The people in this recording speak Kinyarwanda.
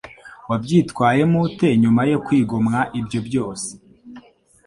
Wabyitwayemo ute nyuma yo kwigomwa ibyo byose?